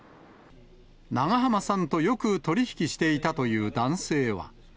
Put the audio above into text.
長濱さんとよく取り引きしていたという男性は。